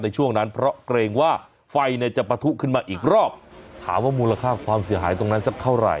ในช่วงนั้นเพราะเกรงว่าไฟเนี่ยจะปะทุขึ้นมาอีกรอบถามว่ามูลค่าความเสียหายตรงนั้นสักเท่าไหร่